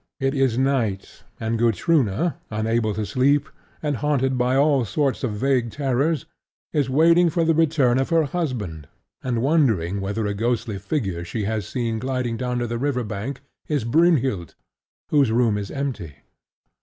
It is night; and Gutrune, unable to sleep, and haunted by all sorts of vague terrors, is waiting for the return of her husband, and wondering whether a ghostly figure she has seen gliding down to the river bank is Brynhild, whose room is empty.